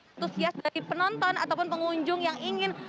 antusias dari penonton ataupun pengunjung yang ingin